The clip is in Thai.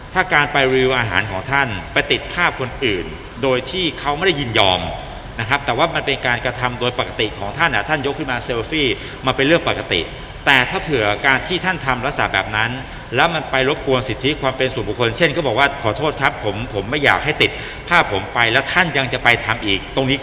ถ้าการไปรีวิวอาหารของท่านไปติดภาพคนอื่นโดยที่เขาไม่ได้ยินยอมนะครับแต่ว่ามันเป็นการกระทำโดยปกติของท่านอ่ะท่านยกขึ้นมาเซลฟี่มันเป็นเรื่องปกติแต่ถ้าเผื่อการที่ท่านทำลักษณะแบบนั้นแล้วมันไปรบกวนสิทธิความเป็นสู่บุคคลเช่นก็บอกว่าขอโทษครับผมผมไม่อยากให้ติดภาพผมไปแล้วท่านยังจะไปทำอีกตรงนี้ก็